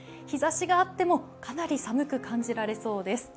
日ざしがあっても、かなり寒く感じられそうです。